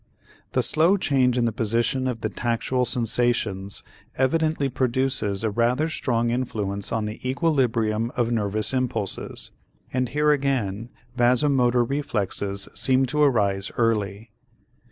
The slow change in the position of the tactual sensations evidently produces a rather strong influence on the equilibrium of nervous impulses, and here again vasomotor reflexes seem to arise easily.